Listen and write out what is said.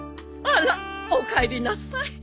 あらおかえりなさい。